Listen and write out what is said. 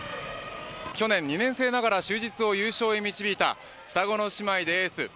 去年２年生ながら就実を優勝へ導いた双子の姉妹です。